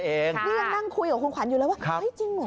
นี่ยังนั่งคุยกับคุณขวัญอยู่เลยว่าเฮ้ยจริงเหรอ